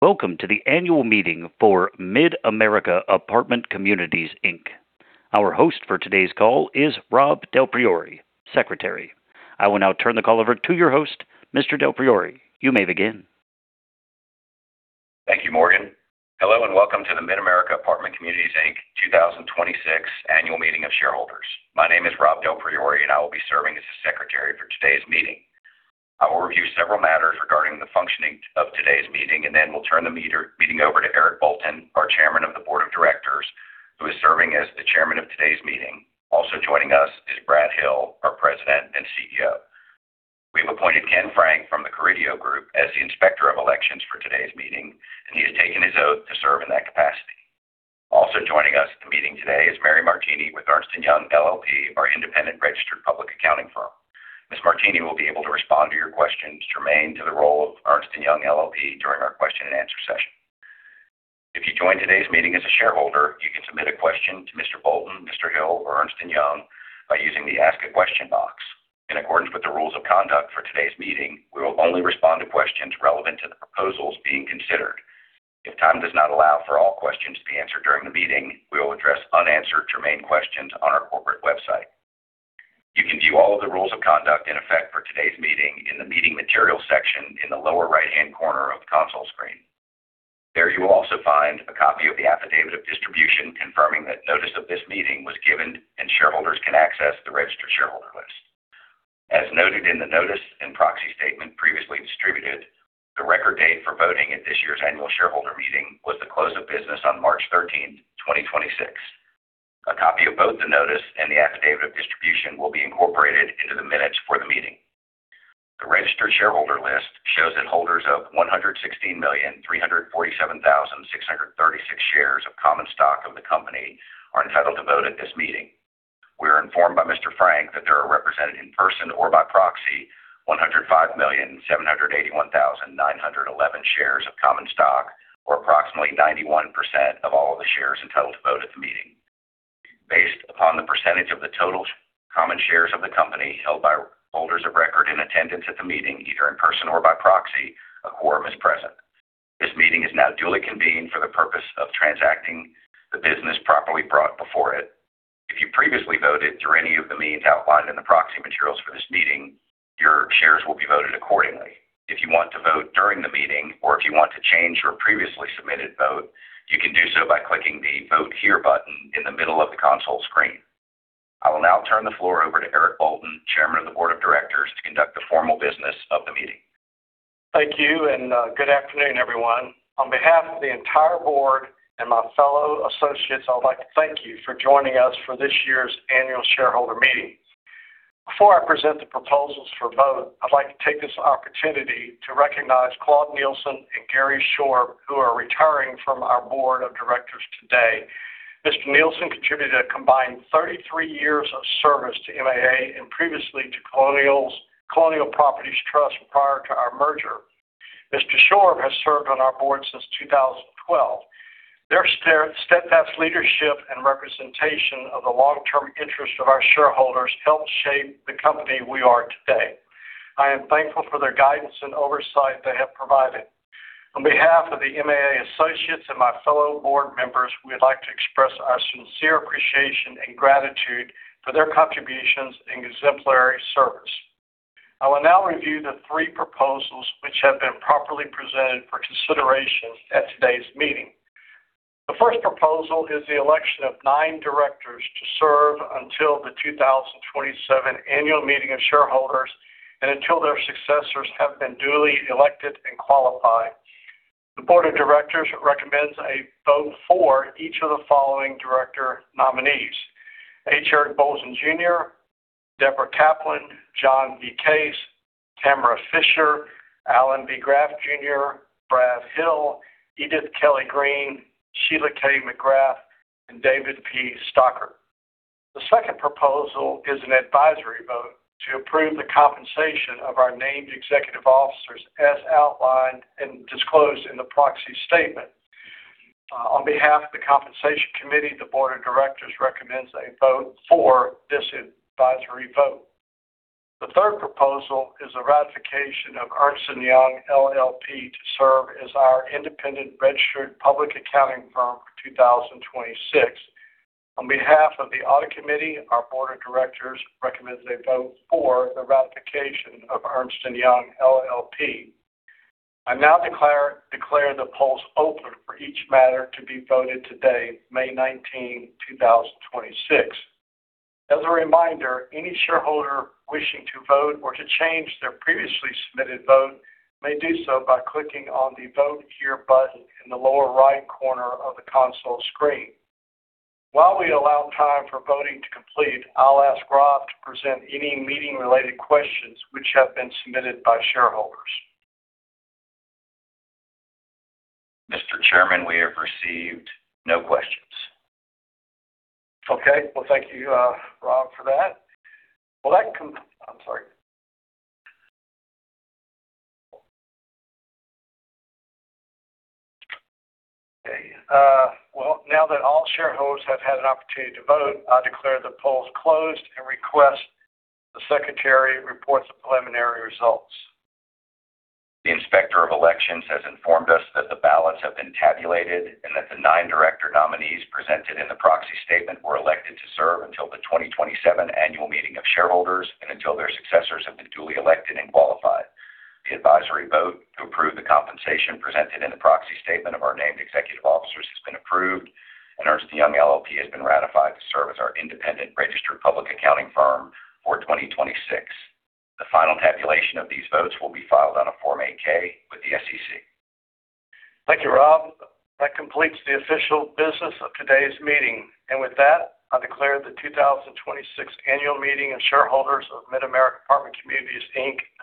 Welcome to the annual meeting for Mid-America Apartment Communities, Inc. Our host for today's call is Rob DelPriore, Secretary. I will now turn the call over to your host. Mr. DelPriore, you may begin. Thank you, Morgan. Hello and welcome to the Mid-America Apartment Communities, Inc. 2026 annual meeting of shareholders. My name is Rob DelPriore, I will be serving as the Secretary for today's meeting. I will review several matters regarding the functioning of today's meeting, then we'll turn the meeting over to Eric Bolton, our Chairman of the Board of Directors, who is serving as the Chairman of today's meeting. Also joining us is Brad Hill, our President and CEO. We have appointed Ken Frank from the Carideo Group as the Inspector of Elections for today's meeting, he has taken his oath to serve in that capacity. Also joining us at the meeting today is Mary Martini with Ernst & Young LLP, our independent registered public accounting firm. Ms. Martini will be able to respond to your questions germane to the role of Ernst & Young LLP during our question and answer session. If you join today's meeting as a shareholder, you can submit a question to Mr. Bolton, Mr. Hill, or Ernst & Young by using the Ask a Question box. In accordance with the rules of conduct for today's meeting, we will only respond to questions relevant to the proposals being considered. If time does not allow for all questions to be answered during the meeting, we will address unanswered germane questions on our corporate website. You can view all of the rules of conduct in effect for today's meeting in the Meeting Materials section in the lower right-hand corner of the console screen. There you will also find a copy of the affidavit of distribution confirming that notice of this meeting was given, and shareholders can access the registered shareholder list. As noted in the notice and proxy statement previously distributed, the record date for voting at this year's annual shareholder meeting was the close of business on March 13th, 2026. A copy of both the notice and the affidavit of distribution will be incorporated into the minutes for the meeting. The registered shareholder list shows that holders of 116,347,636 shares of common stock of the company are entitled to vote at this meeting. We are informed by Mr. Frank that there are represented in person or by proxy 105,781,911 shares of common stock, or approximately 91% of all of the shares entitled to vote at the meeting. Based upon the percentage of the total common shares of the company held by holders of record in attendance at the meeting, either in person or by proxy, a quorum is present. This meeting is now duly convened for the purpose of transacting the business properly brought before it. If you previously voted through any of the means outlined in the proxy materials for this meeting, your shares will be voted accordingly. If you want to vote during the meeting or if you want to change your previously submitted vote, you can do so by clicking the Vote Here button in the middle of the console screen. I will now turn the floor over to Eric Bolton, Chairman of the Board of Directors, to conduct the formal business of the meeting. Thank you. Good afternoon, everyone. On behalf of the entire Board and my fellow associates, I would like to thank you for joining us for this year's annual shareholder meeting. Before I present the proposals for vote, I'd like to take this opportunity to recognize Claude Nielsen and Gary Shorb, who are retiring from our Board of Directors today. Mr. Nielsen contributed a combined 33 years of service to MAA and previously to Colonial Properties Trust prior to our merger. Mr. Shorb has served on our Board since 2012. Their steadfast leadership and representation of the long-term interest of our shareholders helped shape the company we are today. I am thankful for their guidance and oversight they have provided. On behalf of the MAA associates and my fellow Board members, we'd like to express our sincere appreciation and gratitude for their contributions and exemplary service. I will now review the three proposals which have been properly presented for consideration at today's meeting. The first proposal is the election of 9 directors to serve until the 2027 Annual Meeting of Shareholders and until their successors have been duly elected and qualified. The Board of Directors recommends a vote for each of the following Director nominees: H. Bolton Jr., Deborah Caplan, John P. Case, Tamara Fischer, Alan V. Graf Jr., Brad Hill, Edith Kelly-Green, Sheila K. McGrath, and David P. Stockert. The second proposal is an advisory vote to approve the compensation of our named executive officers as outlined and disclosed in the proxy statement. On behalf of the Compensation Committee, the Board of Directors recommends a vote for this advisory vote. The third proposal is a ratification of Ernst & Young LLP to serve as our independent registered public accounting firm for 2026. On behalf of the Audit Committee, our Board of Directors recommends a vote for the ratification of Ernst & Young LLP. I now declare the polls open for each matter to be voted today, May 19, 2026. As a reminder, any shareholder wishing to vote or to change their previously submitted vote may do so by clicking on the Vote Here button in the lower right corner of the console screen. While we allow time for voting to complete, I'll ask Rob to present any meeting-related questions which have been submitted by shareholders. Mr. Chairman, we have received no questions. Okay. Well, thank you, Rob, for that. Well, I'm sorry. Okay, well, now that all shareholders have had an opportunity to vote, I declare the polls closed and request the secretary report the preliminary results. The Inspector of Elections has informed us that the ballots have been tabulated and that the nine Director nominees presented in the proxy statement were elected to serve until the 2027 annual meeting of shareholders and until their successors have been duly elected and qualified. The advisory vote to approve the compensation presented in the proxy statement of our named executive officers has been approved, and Ernst & Young LLP has been ratified to serve as our independent registered public accounting firm for 2026. The final tabulation of these votes will be filed on a Form 8-K with the SEC. Thank you, Rob. That completes the official business of today's meeting. With that, I declare the 2026 annual meeting of shareholders of Mid-America Apartment Communities, Inc.